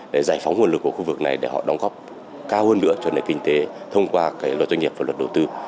để giải phóng nguồn lực của khu vực này để họ đóng góp cao hơn nữa cho nền kinh tế thông qua luật doanh nghiệp và luật đầu tư